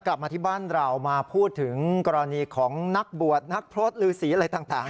กลับมาที่บ้านเรามาพูดถึงกรณีของนักบวชนักพรสลือสีอะไรต่าง